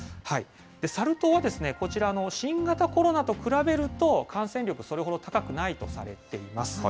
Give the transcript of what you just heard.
サル痘は、こちら、新型コロナと比べると、感染力、それほど高くないとされています。